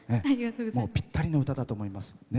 ぴったりの歌だと思います。